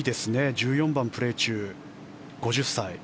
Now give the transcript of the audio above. １４番、プレー中、５０歳。